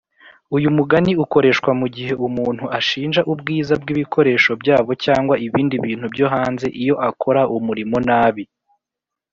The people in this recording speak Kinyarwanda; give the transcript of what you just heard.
uyu mugani ukoreshwa mugihe umuntu ashinja ubwiza bwibikoresho byabo cyangwa ibindi bintu byo hanze iyo akora umurimo nabi.